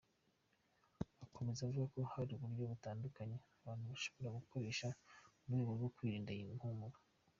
Akomeza avuga hari uburyo butandukanye abantu bashobora gukoresha mu rwego rwo kwirinda iyi mpumuro.